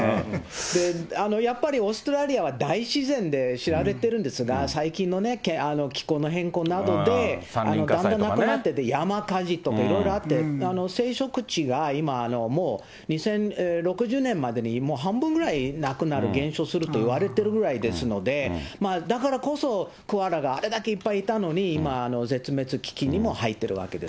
やっぱりオーストラリアは大自然で知られてるんですが、最近の気候の変更などで、だんだんなくなってて、山火事とか、いろいろあって、生息地が今、もう２０６０年までにもう半分ぐらいなくなる、減少すると言われているぐらいですので、だからこそコアラがあれだけいっぱいいたのに、今、絶滅危機にも入っているわけです。